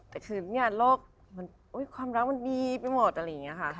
แต่คือเนี่ยโลกความรักมันดีไปหมดอะไรอย่างนี้ค่ะ